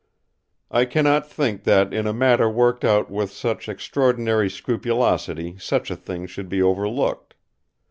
I cannot think that in a matter worked out with such extraordinary scrupulosity such a thing should be overlooked.